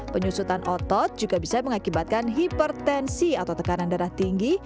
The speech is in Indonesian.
penyusutan otot juga bisa mengakibatkan hipertensi atau tekanan darah tinggi